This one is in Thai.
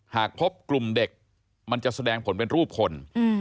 หากพบกลุ่มเด็กมันจะแสดงผลเป็นรูปคน